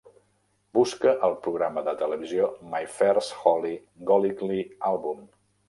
Busca el programa de televisió My First Holly Golightly Album